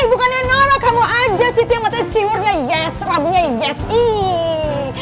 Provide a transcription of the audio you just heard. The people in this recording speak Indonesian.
hei bukannya nora kamu aja sih yang matanya siwurnya yes rabunya yes iiiih